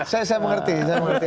saya mengerti saya mengerti